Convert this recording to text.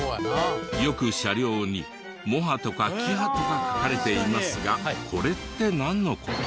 よく車両にモハとかキハとか書かれていますがこれってなんの事？